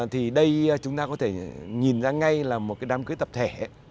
thì đây chúng ta có thể nhìn ra ngay là một cái đám cưới tập thể